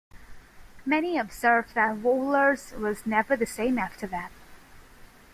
Many observe that Wohlers was never the same after that.